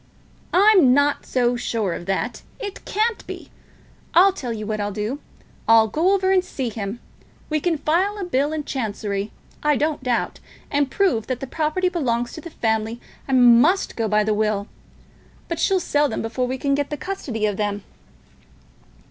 "I'm not so sure of that. It can't be. I'll tell you what I'll do. I'll go over and see him. We can file a bill in Chancery, I don't doubt, and prove that the property belongs to the family and must go by the will. But she'll sell them before we can get the custody of them."